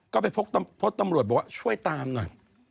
ก็ไปพบตำรวจบอกว่าช่วยตามหน่อย